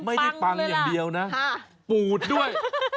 ไม่ได้ปังอย่างเดียวนะปูดด้วย